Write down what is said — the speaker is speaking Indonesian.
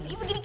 ya begini nek